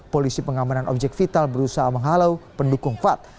polisi pengamanan objek vital berusaha menghalau pendukung fad